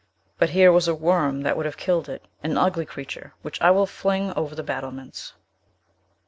"But here was a worm that would have killed it; an ugly creature, which I will fling over the battlements."